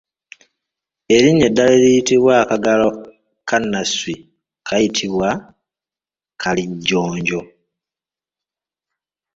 Erinnya eddala eriyitibwa akagalo ka nnasswi kayitibwa kalijjonjo.